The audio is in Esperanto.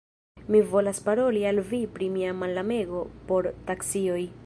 Mi volas paroli al vi pri mia malamego por taksioj.